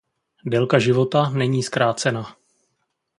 Délka života není zkrácena.